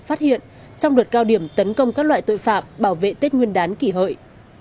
phát hiện trong đợt cao điểm tấn công các loại tội phạm bảo vệ tết nguyên đán kỷ hợi